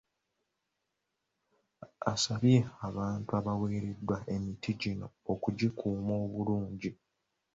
Asabye abantu abaweereddwa emiti gino okugikuuma obulungi.